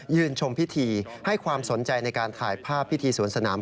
ชมพิธีให้ความสนใจในการถ่ายภาพพิธีสวนสนาม